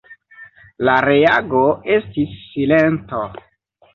La reago estis silento.